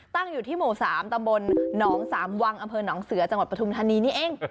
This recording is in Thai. ตั้งอยู่ที่หมู่๓ตำบลหนองสามวังอำเภอหนองเสือจังหวัดปฐุมธานีนี่เอง